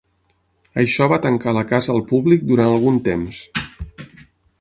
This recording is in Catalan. Això va tancar la casa al públic durant algun temps.